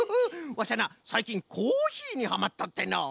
ワシはなさいきんコーヒーにハマっとってのう。